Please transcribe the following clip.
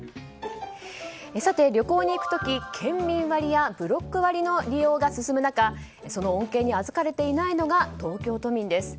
旅行に行く時県民割やブロック割の利用が進む中その恩恵に預かれていないのは東京都民です。